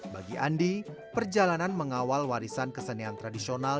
bagi andi perjalanan mengawal warisan kesenian tradisional